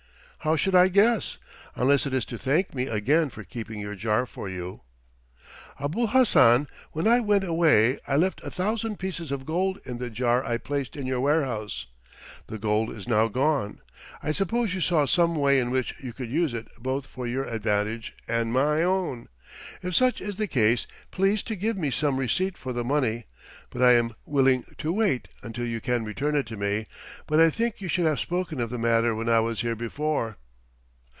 "How should I guess? Unless it is to thank me again for keeping your jar for you." "Abul Hassan, when I went away I left a thousand pieces of gold in the jar I placed in your warehouse. The gold is now gone. I suppose you saw some way in which you could use it both for your advantage and my own. If such is the case, please to give me some receipt for the money, and I am willing to wait until you can return it to me, but I think you should have spoken of the matter when I was here before."